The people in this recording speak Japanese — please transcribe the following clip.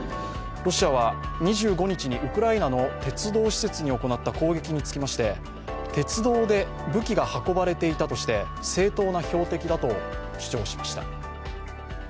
ロシアは２５日にウクライナの鉄道施設に行った攻撃につきまして鉄道で武器が運ばれていたとして正当な標的だと主張しました。